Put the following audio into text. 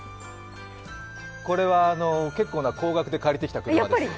これは結構な高額で借りてきた車です。